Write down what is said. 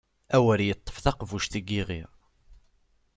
Awer iṭṭef taqbuc n yiɣi!